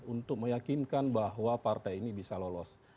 untuk meyakinkan bahwa partai ini bisa lolos